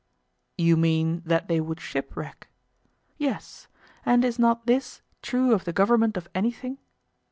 You mean that they would shipwreck? Yes; and is not this true of the government of anything?